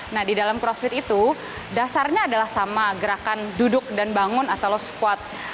nah di dalam crossfit itu dasarnya adalah sama gerakan duduk dan bangun atau low squad